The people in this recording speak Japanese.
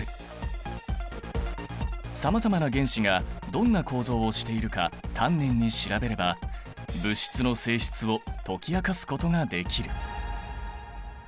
さまざまな原子がどんな構造をしているか丹念に調べれば物質の性質を解き明かすことができる。